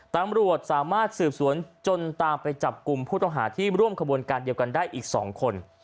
ตำรวจสามารถสืบสวนจนตามไปจับกลุ่มผู้ต้องหาที่ร่วมขบวนการเดียวกันได้อีก๒คน